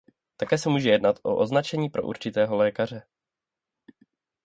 Také se může jednat o označení pro určitého lékaře.